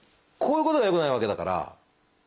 こういうことがよくないわけだから。